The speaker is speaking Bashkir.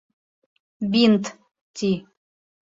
— Бинт, ти...